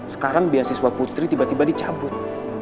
sekarang beasiswa putri tiba tiba dicabut